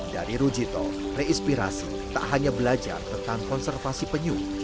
dari rujito re inspirasi tak hanya belajar tentang konservasi penyung